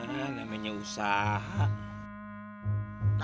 nah namanya usaha